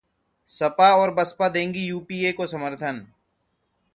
सपा और बसपा देंगी यूपीए को समर्थन